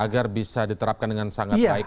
agar bisa diterapkan dengan sangat baik dan maksimal